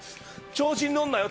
調子に乗るなよ